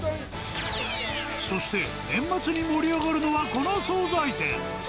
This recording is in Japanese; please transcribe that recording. そして、年末に盛り上がるのはこの総菜店。